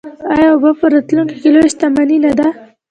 آیا اوبه په راتلونکي کې لویه شتمني نه ده؟